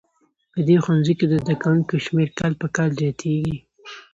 په دې ښوونځي کې د زده کوونکو شمېر کال په کال زیاتیږي